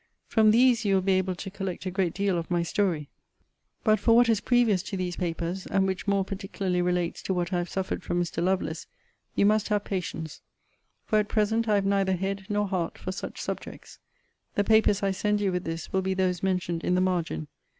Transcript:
From these you will be able to collect a great deal of my story. But for what is previous to these papers, and which more particularly relates to what I have suffered from Mr. Lovelace, you must have patience; for at present I have neither head nor heart for such subjects. The papers I send you with this will be those mentioned in the margin.